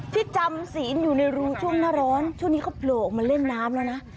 ที่จำศีลอยู่ในรูช่วงหน้าร้อนช่วงนี้เขาโผล่ออกมาเล่นน้ำแล้วนะ